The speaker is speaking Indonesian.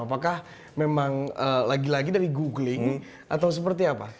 apakah memang lagi lagi dari googling atau seperti apa